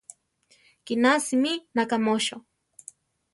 Kiná simí, nakámocho!